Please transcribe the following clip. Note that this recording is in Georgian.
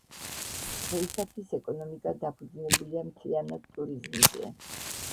დღეისათვის ეკონომიკა დაფუძნებულია მთლიანად ტურიზმზე.